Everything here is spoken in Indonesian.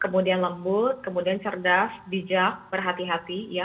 kemudian lembut kemudian cerdas bijak berhati hati ya